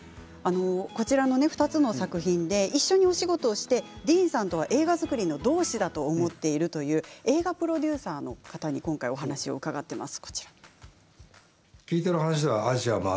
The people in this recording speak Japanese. ２つの作品で一緒にお仕事をしてディーンさんは映画作りの同志と思っているという映画プロデューサーの方に今回お話を伺っています。